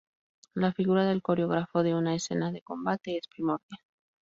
La figura del coreógrafo de una escena de combate es primordial.